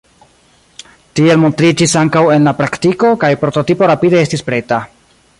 Tiel montriĝis ankaŭ en la praktiko, kaj prototipo rapide estis preta.